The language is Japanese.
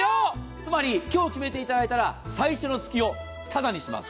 つまり今日決めていただいたら、最初の月をただにします。